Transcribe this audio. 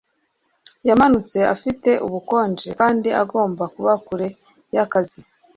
Yamanutse afite ubukonje kandi agomba kuba kure yakazi